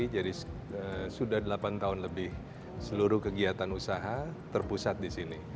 jadi sudah delapan tahun lebih seluruh kegiatan usaha terpusat di sini